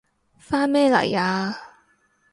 返咩嚟啊？